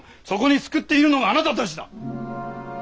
そこに巣くっているのがあなたたちだ！